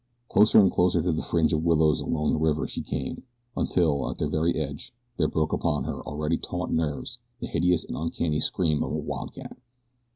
Closer and closer to the fringe of willows along the river she came, until, at their very edge, there broke upon her already taut nerves the hideous and uncanny scream of a wildcat.